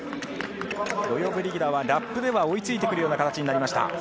ロヨブリギダはラップでは追いついてくるような形になりました。